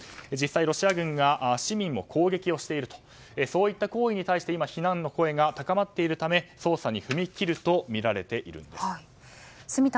実際ロシア軍が市民に攻撃をしているとそういった行為に対して今、非難の声が高まっているため捜査に踏み切るとみられています。